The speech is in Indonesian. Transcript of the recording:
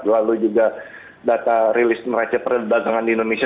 lalu juga data rilis neraca perdagangan di indonesia